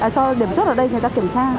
cho điểm chốt ở đây người ta kiểm tra